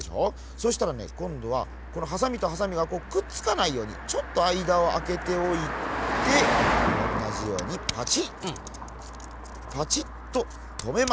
そしたらねこんどはこのハサミとハサミがこうくっつかないようにちょっとあいだをあけておいておんなじようにパチッパチッととめます。